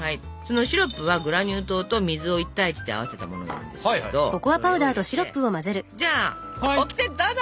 シロップはグラニュー糖と水を１対１で合わせたものなんですけどそれを入れてじゃあオキテどうぞ。